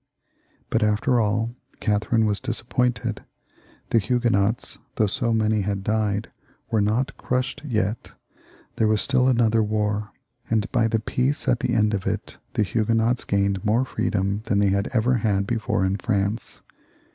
But after all Catherine was disappointed ; the Hugue nots, though so many had died, were not crushed yet ; there was still another war, and by the peace at the end of it, the Huguenots gained more freedom than they had ever had before in France.